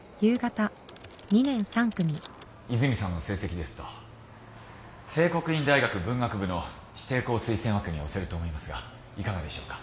和泉さんの成績ですと清國院大学文学部の指定校推薦枠に推せると思いますがいかがでしょうか？